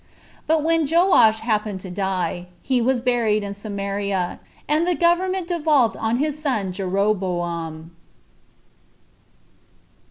But when Joash happened to die, he was buried in Samaria, and the government devolved on his son Jeroboam.